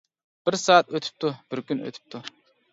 بىر سائەت ئۆتۈپتۇ، بىر كۈن ئۆتۈپتۇ.